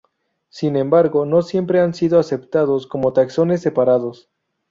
Sin embargo, no siempre han sido aceptados como taxones separados.